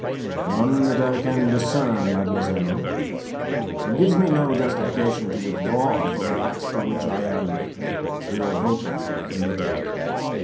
"None that I can discern, mademoiselle. It gives me no justification to withdraw from that to which I am irrevocably committed.